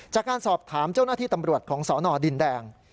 จากการสอบถามเจ้าหน้าที่ตำรวจของสนดินแดง